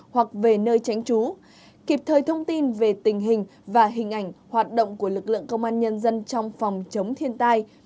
hoặc về nơi tránh trú kịp thời thông tin về tình hình và hình ảnh hoạt động của lực lượng công an nhân dân trong phòng chống thiên tai